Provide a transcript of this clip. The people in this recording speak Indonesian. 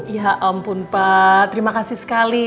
ya ampun pak terima kasih sekali